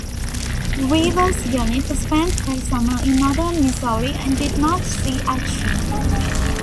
Weaver's unit spent that summer in northern Missouri and did not see action.